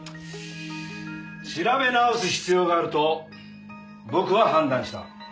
調べ直す必要があると僕は判断した。